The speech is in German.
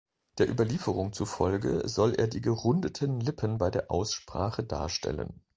Der Überlieferung zufolge soll er die gerundeten Lippen bei der Aussprache darstellen.